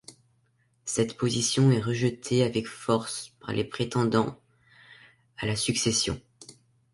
Cette position est rejetée avec force par les prétendants à la succession.